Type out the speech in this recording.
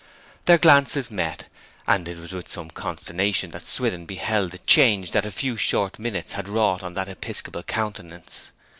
Their glances met, and it was with some consternation that Swithin beheld the change that a few short minutes had wrought in that episcopal countenance.